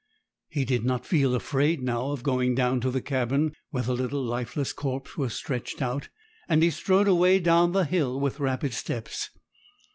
He did not feel afraid now of going down to the cabin, where the little lifeless corpse was stretched out; and he strode away down the hill with rapid steps.